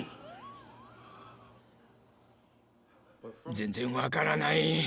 全然分からない。